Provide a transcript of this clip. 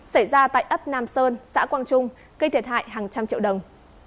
xảy ra tại ấp nam sơn xã quang trung gây thiệt hại hàng trăm triệu đồng